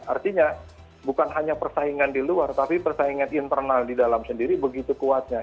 artinya bukan hanya persaingan di luar tapi persaingan internal di dalam sendiri begitu kuatnya